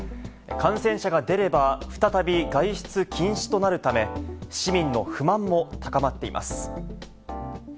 感染者が出れば、再び外出禁止となるため、市民の不満も高まっています。